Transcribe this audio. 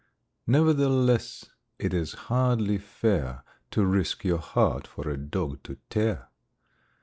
Nevertheless it is hardly fair To risk your heart for a dog to tear.